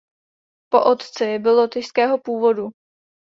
Po otci byl lotyšského původu.